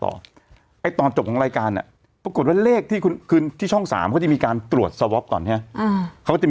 ผมก็อัดต่อนะหลังจากที่ออนแอร์ไปแล้วก็อัดรายการต่อ